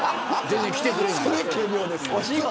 全然来てくれない。